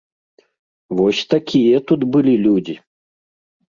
Вось такія тут былі людзі.